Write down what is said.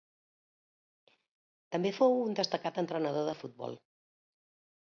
També fou un destacat entrenador de futbol.